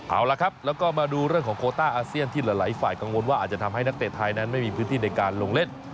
เอาละครับแล้วก็มาดูเรื่องของโคต้าอาเซียนที่หลายฝ่ายกังวลว่าอาจจะทำให้นักเตะไทยนั้นไม่มีพื้นที่ในการลงเล่น